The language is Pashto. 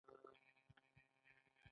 آیا ایرانیان ترکیې ته د سیاحت لپاره نه ځي؟